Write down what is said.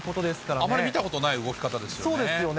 あまり見たことない動き方でそうですよね。